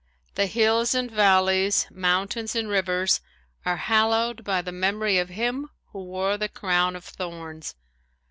The hills and valleys, mountains and rivers are hallowed by the memory of him who wore the crown of thorns.